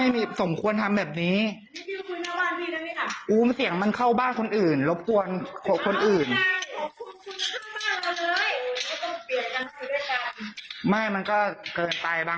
มันต้องไปบริมือเป็นเมื่อพูดเลยนะ